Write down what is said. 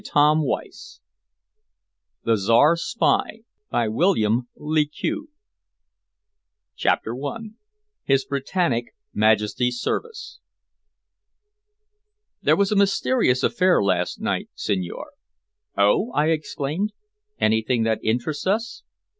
CONTAINS ELMA'S STORY CONCLUSION CHAPTER I HIS BRITANNIC MAJESTY'S SERVICE "There was a mysterious affair last night, signore." "Oh!" I exclaimed. "Anything that interests us?"